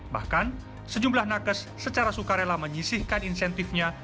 bahkan sejumlah nakes secara sukarela menyisihkan insentifnya